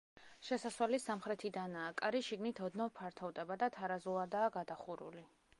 შესასვლელი სამხრეთიდანაა, კარი შიგნით ოდნავ ფართოვდება და თარაზულადაა გადახურული.